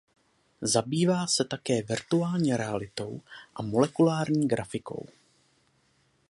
Zabývá se také virtuální realitou a molekulární grafikou.